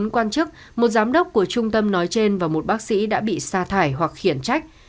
bốn quan chức một giám đốc của trung tâm nói trên và một bác sĩ đã bị sa thải hoặc khiển trách